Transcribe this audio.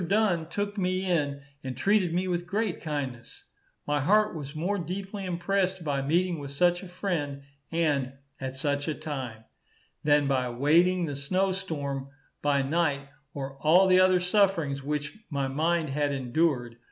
Dunn took me in and treated me with great kindness. My heart was more deeply impressed by meeting with such a friend, and "at such a time," than by wading the snow storm by night, or all the other sufferings which my mind had endured.